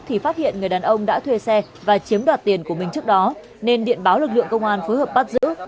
thì phát hiện người đàn ông đã thuê xe và chiếm đoạt tiền của mình trước đó nên điện báo lực lượng công an phối hợp bắt giữ